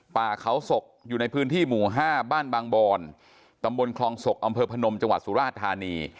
ป่าเขาศกอยู่ในพื้นที่หมู่๕บ้านบางบอนตำบลคลองศกอำเภอพนมจังหวัดสุราชธานี